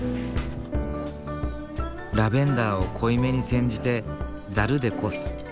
ラベンダーを濃いめに煎じてざるでこす。